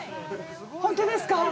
本当ですか？